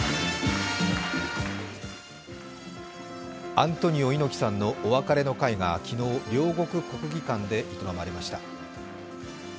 アントニオ猪木さんのお別れの会が昨日、両国国技館で営まれました。